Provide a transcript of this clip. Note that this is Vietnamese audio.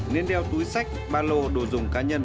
nên đeo túi sách ba lô đồ dùng cá nhân